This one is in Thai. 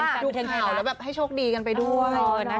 แต่ดูข่าวแล้วแบบให้โชคดีกันไปด้วย